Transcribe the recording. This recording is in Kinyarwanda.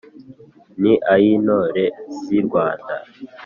Ni ay' intore z' i Rwanda